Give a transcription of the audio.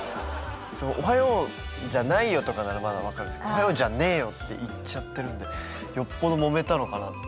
「おはようじゃないよ」とかならまだ分かるんですけど「おはようじゃねーよ」って言っちゃってるんでよっぽどもめたのかなって。